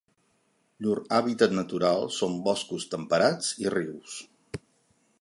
Llur hàbitat natural són boscos temperats i rius.